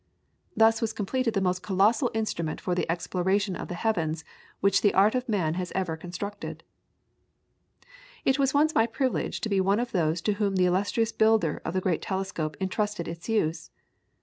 Thus was completed the most colossal instrument for the exploration of the heavens which the art of man has ever constructed. [PLATE: ROMAN CATHOLIC CHURCH AT PARSONSTOWN.] It was once my privilege to be one of those to whom the illustrious builder of the great telescope entrusted its use.